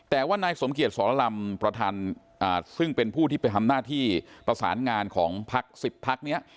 แต่ว่านายสมเกียจสรลำประธานซึ่งเป็นผู้ที่ไปทำหน้าที่ประสานงานของพัก๑๐พักนี้